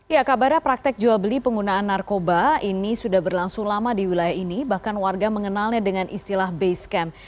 ya kabarnya praktek jual beli penggunaan narkoba ini sudah berlangsung lama di wilayah ini bahkan warga mengenalnya dengan istilah base camp